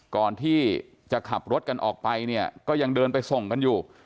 ก่อนที่จะขับรถกันออกไปเนี่ยก็ยังเดินไปส่งกันอยู่